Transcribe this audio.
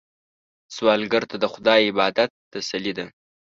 سوالګر ته د خدای عبادت تسلي ده